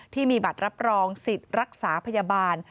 ที่มีบัตรรับรองสิทธิ์รักษาพยาบาล